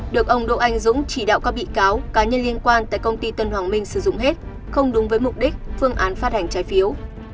được ông đỗ anh dũng chỉ đạo các bị cáo cá nhân liên quan tại công ty tân hoàng minh sử dụng hết không đúng với mục đích phương án phát hành trái phiếu